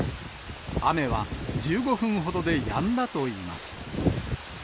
雨は１５分ほどでやんだといいます。